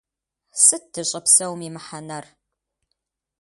Сыт дыщӏэпсэум и мыхьэнэр?